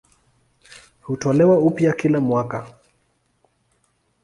Hutolewa upya kila mwaka.